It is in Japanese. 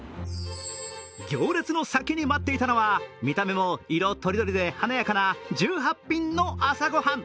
行列の先に待っていたのは見た目も色とりどりで華やかな１８品の朝ごはん。